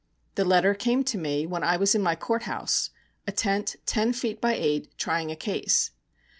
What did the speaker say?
The letter came to me when I was in my court house, a tent ten feet by eight, trying a case.